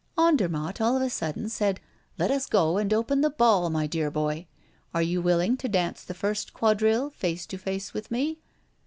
Andermatt, all of a sudden, said: "Let us go and open the ball, my dear boy. Are you willing to dance the first quadrille face to face with me?"